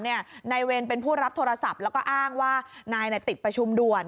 นายเวรเป็นผู้รับโทรศัพท์แล้วก็อ้างว่านายติดประชุมด่วน